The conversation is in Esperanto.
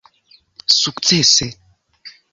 sukcese